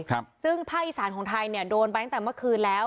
ครับซึ่งภาคอีสานของไทยเนี่ยโดนไปตั้งแต่เมื่อคืนแล้ว